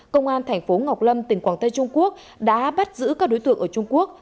công an thành phố ngọc lâm tỉnh quảng tây trung quốc đã bắt giữ các đối tượng ở trung quốc